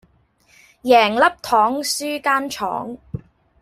贏粒糖輸間廠